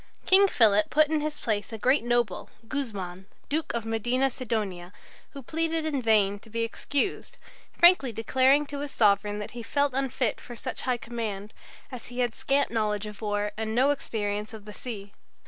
King Philip put in his place a great noble, Guzman, Duke of Medina Sidonia, who pleaded in vain to be excused, frankly declaring to his sovereign that he felt unfit for such high command, as he had scant knowledge of war and no experience of the sea.